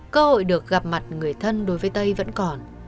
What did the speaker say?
cơ hội được gặp mặt người thân đối với tây vẫn còn